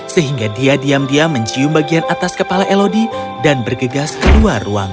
sehingga dia diam diam mencium bagian atas kepala elodie dan bergegas ke dua ruangan